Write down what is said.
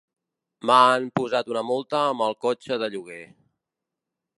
M'han posat una multa amb el cotxe de lloguer.